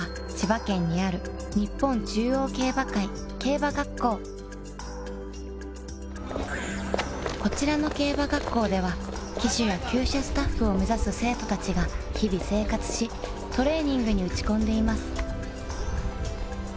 今回訪れたのはこちらの競馬学校では騎手や厩舎スタッフを目指す生徒達が日々生活しトレーニングに打ち込んでいます